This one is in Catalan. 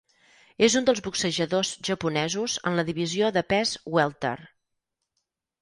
És un dels boxejadors japonesos en la divisió de pes wèlter.